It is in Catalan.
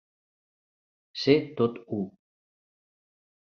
Ser tot u.